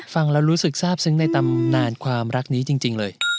ฟังแล้วรู้สึกทราบซึ้งในตำนานความรักนี้จริงเลย